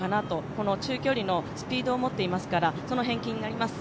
この中距離のスピードを持っていますから、その辺気になります。